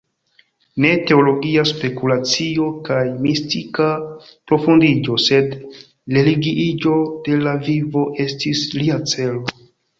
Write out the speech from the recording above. Ne teologia spekulacio kaj mistika profundiĝo, sed religiiĝo de la vivo estis lia celo.